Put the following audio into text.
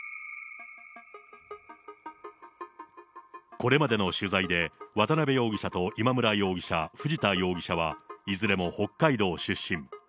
これまでの取材で、渡辺容疑者と今村容疑者、藤田容疑者はいずれも北海道出身。